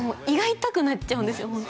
胃が痛くなっちゃうんですよ